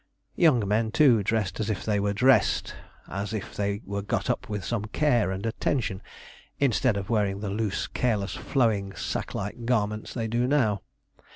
Young men, too, dressed as if they were dressed as if they were got up with some care and attention instead of wearing the loose, careless, flowing, sack like garments they do now.